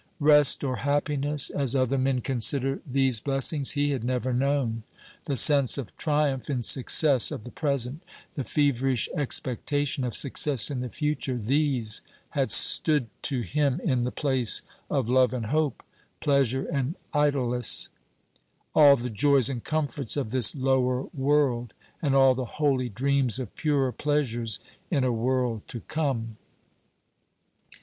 Rest or happiness, as other men consider these blessings, he had never known; the sense of triumph in success of the present, the feverish expectation of success in the future these had stood to him in the place of love and hope, pleasure and idlesse, all the joys and comforts of this lower world, and all the holy dreams of purer pleasures in a world to come.